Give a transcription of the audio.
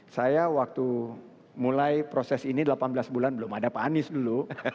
saya waktu mulai proses ini delapan belas bulan belum ada pak anies dulu